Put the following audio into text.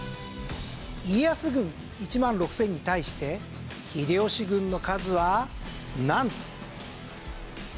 家康軍１万６０００に対して秀吉軍の数はなんと。